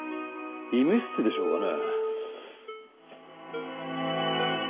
医務室でしょうかね？